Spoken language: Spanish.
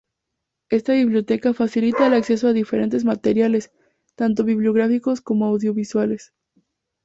Esta biblioteca facilita el acceso a diferentes materiales, tanto bibliográficos como audiovisuales.